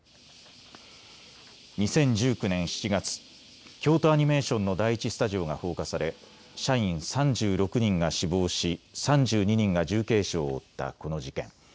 ２０１９年７月、京都アニメーションの第１スタジオが放火され社員３６人が死亡し、３２人が重軽傷を負ったこの事件。